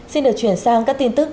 xin được chuyển sang các tin tức